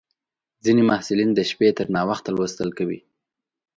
ځینې محصلین د شپې تر ناوخته لوستل کوي.